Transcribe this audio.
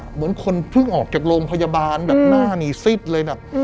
เหมือนคนเพิ่งออกจากโรงพยาบาลแบบหน้านี่ซิดเลยแบบ